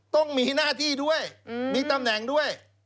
ต้องมีหน้าที่ด้วยมีตำแหน่งด้วย